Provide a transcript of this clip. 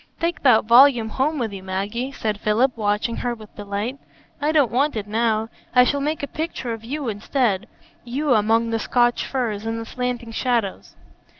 "Take that volume home with you, Maggie," said Philip, watching her with delight. "I don't want it now. I shall make a picture of you instead,—you, among the Scotch firs and the slanting shadows."